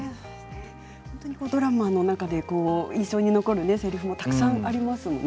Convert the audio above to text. ドラマの中で印象に残るせりふもたくさんありますよね